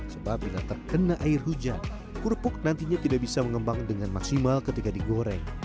sebab bila terkena air hujan kerupuk nantinya tidak bisa mengembang dengan maksimal ketika digoreng